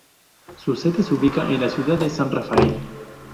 Su sede se ubica en la ciudad de San Rafael.